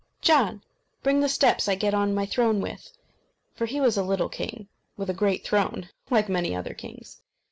John! bring the steps I get on my throne with." For he was a little king with a great throne, like many other kings.